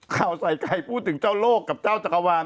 ข่าวใส่ไข่พูดถึงเจ้าโลกกับเจ้าจักรวาล